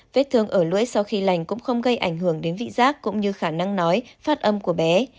vết thương ở lưỡi sau khi lành cũng không gây ảnh hưởng đến vị giác cũng như khả năng nói phát âm của bé